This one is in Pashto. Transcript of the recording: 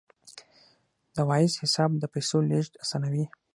د وایز حساب د پیسو لیږد اسانوي.